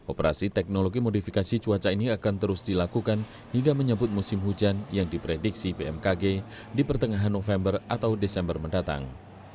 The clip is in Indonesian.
operasi teknologi modifikasi cuaca ini akan terus dilakukan hingga menyebut musim hujan yang diprediksi bmkg di pertengahan november atau desember mendatang